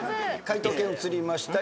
解答権移りました。